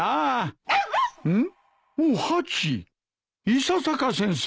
伊佐坂先生。